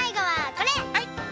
はい。